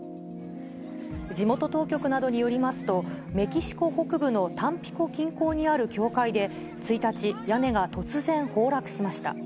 地元当局などによりますと、メキシコ北部のタンピコ近郊にある教会で１日、屋根が突然崩落しました。